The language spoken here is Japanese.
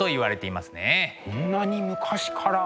こんなに昔から。